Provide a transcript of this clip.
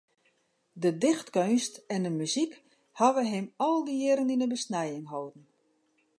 De dichtkeunst en de muzyk hawwe him al dy jierren yn de besnijing holden.